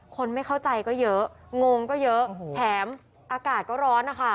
คนไม่เข้าใจก็เยอะงงก็เยอะแถมอากาศก็ร้อนนะคะ